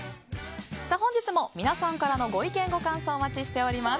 本日も皆さんからのご意見ご感想をお待ちしております。